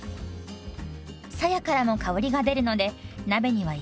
さやからも香りが出るので鍋には一緒に入れますよ。